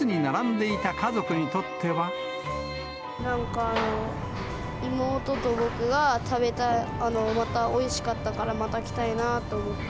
なんか、妹と僕が食べたい、また、おいしかったから、また来たいなーと思って。